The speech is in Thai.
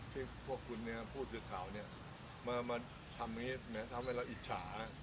ที่พวกคุณเนี่ยผู้สื่อข่าวเนี่ยมาทำแบบนี้ทำให้เราอิจฉา